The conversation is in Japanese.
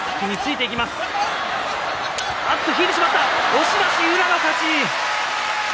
押し出し、宇良の勝ち。